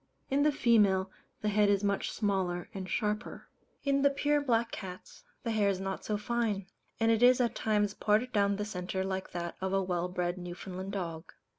In the female, the head is much smaller and sharper. In the pure Black cats, the hair is not so fine; and it is at times parted down the centre like that of a well bred Newfoundland dog.